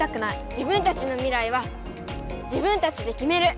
自分たちの未来は自分たちできめる！